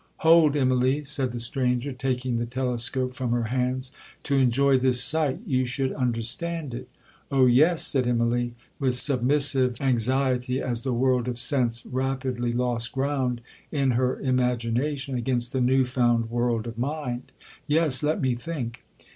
'—'Hold, Immalee,' said the stranger, taking the telescope from her hands, 'to enjoy this sight you should understand it.'—'Oh yes!' said Immalee, with submissive anxiety, as the world of sense rapidly lost ground in her imagination against the new found world of mind,—'yes—let me think.'